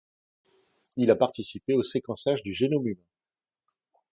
Il a participé au séquençage du génome humain.